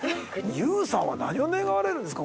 ＹＯＵさんは何を願われるんですか？